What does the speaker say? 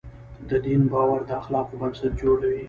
د دین باور د اخلاقو بنسټ جوړوي.